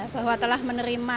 bahwa telah menerima